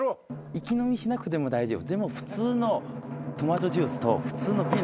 一気飲みしなくても大丈夫。